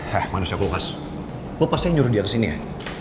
hah manusia kulkas lo pasti yang nyuruh dia kesini ya